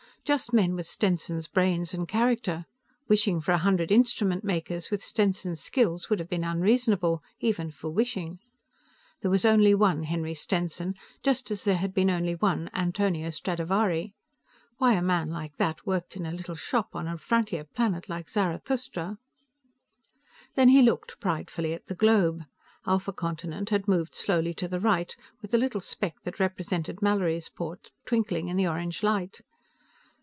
Just men with Stenson's brains and character; wishing for a hundred instrument makers with Stenson's skills would have been unreasonable, even for wishing. There was only one Henry Stenson, just as there had been only one Antonio Stradivari. Why a man like that worked in a little shop on a frontier planet like Zarathustra.... Then he looked, pridefully, at the globe. Alpha Continent had moved slowly to the right, with the little speck that represented Mallorysport twinkling in the orange light.